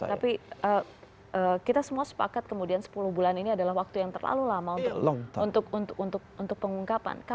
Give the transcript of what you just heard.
tapi kita semua sepakat kemudian sepuluh bulan ini adalah waktu yang terlalu lama untuk pengungkapan